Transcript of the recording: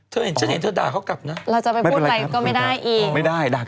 เธอเห็นถ้าเธอด่าก็กลับเนาะ